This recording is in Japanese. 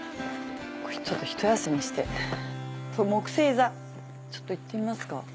ちょっと一休みして木精座ちょっと行ってみますか。